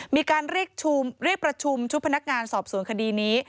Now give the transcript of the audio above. มีการเรียกประชุมชุดพนักงานสอบสวนคดีนี้